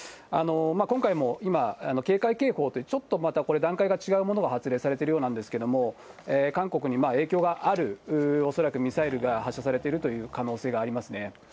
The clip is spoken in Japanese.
今回も今、警戒警報という、ちょっとまたこれ、段階が違うものが発令されてるようなんですけれども、韓国に影響がある、恐らくミサイルが発射されてるという可能性がありますね。